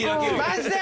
マジで！